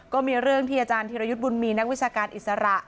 ก็มีเรื่องที่อาจารย์ธิรยุทธ์บุญมีนักวิชาการอิสระ